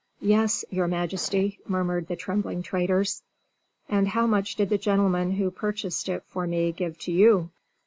"Yes, your majesty," murmured the trembling traders. "And how much did the gentleman who purchased it for me give to you?"